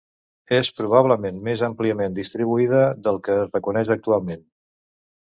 És probablement més àmpliament distribuïda del que es reconeix actualment.